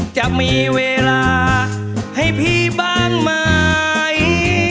จะมีเวลาให้พี่บ้างไหม